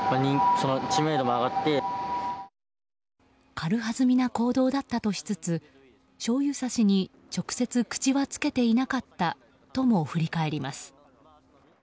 軽はずみな行動だったとしつつしょうゆさしに直接口はつけていなかったとも振り返ります。